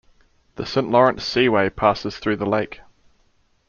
The St. Lawrence Seaway passes through the lake.